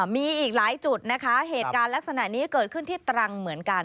มีอีกหลายจุดนะคะเหตุการณ์ลักษณะนี้เกิดขึ้นที่ตรังเหมือนกัน